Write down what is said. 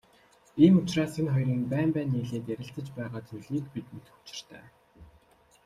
Ийм учраас энэ хоёрын байн байн нийлээд ярилцаж байгаа зүйлийг бид мэдэх учиртай.